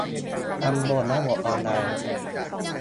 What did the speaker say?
ทำบนระบบออนไลน์